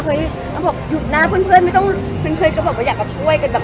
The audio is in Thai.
มีคนบอกหยุดนะเพื่อนไม่ต้องคนเคยบอกว่าอยากจะช่วย